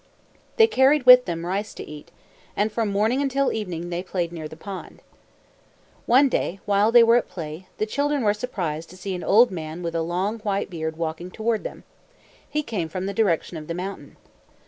They carried with them rice to eat, and from morning until evening they played near the pond. One day, while they were at play, the children were surprised to see an old man with a long, white beard walking toward them. He came from the direction of the mountain.